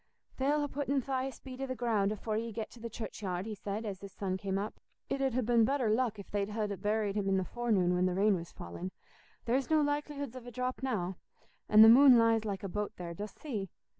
"They'll ha' putten Thias Bede i' the ground afore ye get to the churchyard," he said, as his son came up. "It 'ud ha' been better luck if they'd ha' buried him i' the forenoon when the rain was fallin'; there's no likelihoods of a drop now; an' the moon lies like a boat there, dost see?